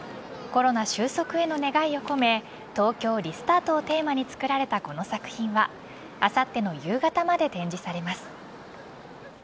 コロナ収束への願いを込めトウキョウリスタートをテーマに作られたこの作品はあさっての夕方まで展示されます。